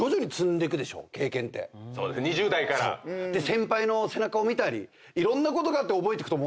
先輩の背中を見たりいろんなことがあって覚えてくと思うんですよ。